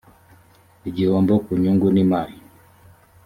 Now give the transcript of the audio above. igihombo ku nyungu n imari